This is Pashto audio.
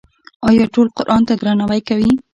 آیا ټول قرآن ته درناوی کوي؟